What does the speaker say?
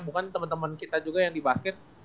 bukan temen temen kita juga yang di basket